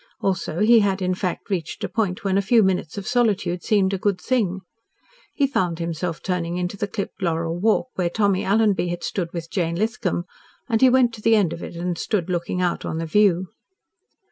Also he had, in fact, reached a point when a few minutes of solitude seemed a good thing. He found himself turning into the clipped laurel walk, where Tommy Alanby had stood with Jane Lithcom, and he went to the end of it and stood looking out on the view.